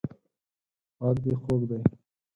غږ دې خوږ دی